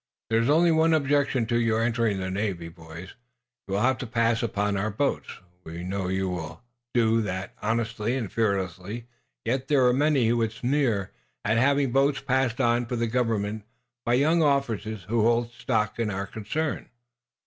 There is only one objection to your entering the Navy, boys. You will have to pass upon our boats. We know you will do that honestly and fearlessly; yet there are many who would sneer at having boats passed on for the government by young officers who hold stock in our concern.